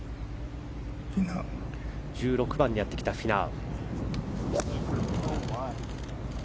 １６番にやってきたフィナウ。